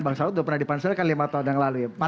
bang saud sudah pernah dipansilkan lima tahun yang lalu ya